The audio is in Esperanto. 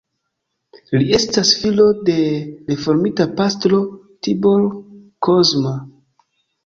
Li estas filo de reformita pastro Tibor Kozma.